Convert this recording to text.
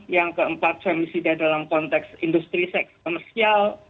yang keempat femisida dalam konteks industri seks komersial